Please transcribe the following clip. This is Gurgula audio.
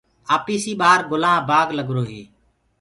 آپيسي ٻآهر گُلآن بآگ هي